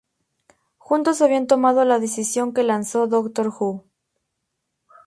Juntos habían tomado la decisión que lanzó "Doctor Who".